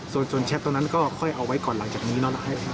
ส่วนแชทตรงนั้นก็ค่อยเอาไว้ก่อนหลังจากนี้เนาะ